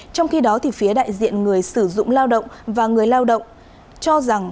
trong khi đó phía đại diện người sử dụng lao động và người lao động cho rằng